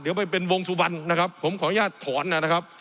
เดี๋ยวไปเป็นวงสุวรรณนะครับผมขออนุญาตถอนนะครับ